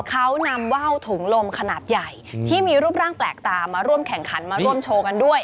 เขานำว่าวถุงลมขนาดใหญ่ที่มีรูปร่างแปลกตามาร่วมแข่งขันมาร่วมโชว์กันด้วย